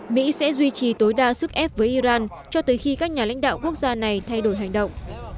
mỹ sẽ duy trì tối đa sức ép với iran cho tới khi các nhà lãnh đạo quốc gia này thay đổi hành động